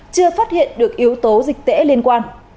chưa phát hiện được yếu tố dịch tễ liên quan